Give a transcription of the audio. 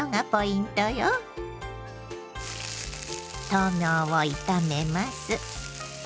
豆苗を炒めます。